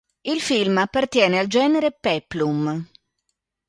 Il film appartiene al genere peplum.